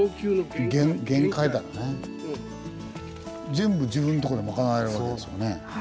全部自分とこで賄えるわけですよね。